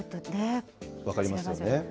分かりますよね。